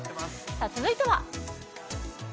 続いては。